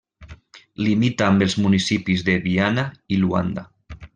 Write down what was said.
Limita amb els municipis de Viana i Luanda.